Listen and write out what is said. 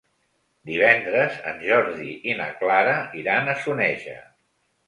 Divendres en Jordi i na Clara iran a Soneja.